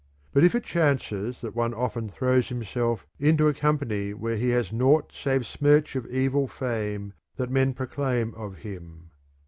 But it chances that one often throws himself into a company whence he has nought save smirch of evil fame that men proclaim of him.